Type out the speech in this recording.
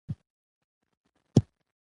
پوهه د لوی هدفونو لپاره د علم څانګه ده.